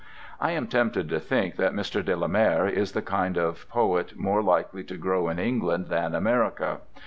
I am tempted to think that Mr. de la Mare is the kind of poet more likely to grow in England than America.